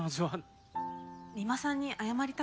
三馬さんに謝りたくて。